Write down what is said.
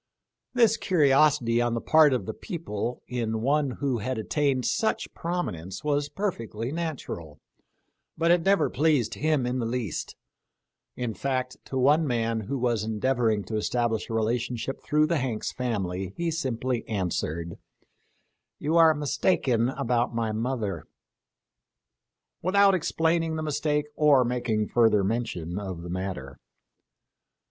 This curiosity on the part of the people in one who had attained such prominence was perfectly natural, but it never pleased him in the least ; in fact, to one man who was endeavoring to establish a relation ship through the Hanks family he simply answered, " You are mistaken about my mother," without explaining the mistake or making further mention of the matter.